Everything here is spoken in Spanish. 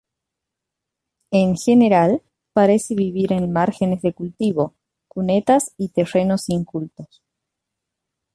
En general, parece vivir en márgenes de cultivo, cunetas y terrenos incultos.